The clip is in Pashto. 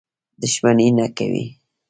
دښمني نه کوي.